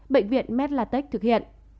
bệnh viện medlatech thực hiện